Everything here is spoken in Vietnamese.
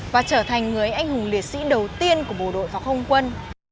và trở thành người anh hùng liệt sĩ đầu tiên của bộ đội phóng không quân